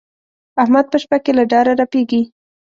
احمد په شپه کې له ډاره رپېږي.